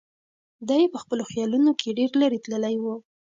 دی په خپلو خیالونو کې ډېر لرې تللی و.